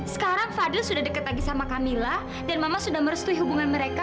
sekarang fadil sudah dekat lagi sama camilla dan mama sudah merestui hubungan mereka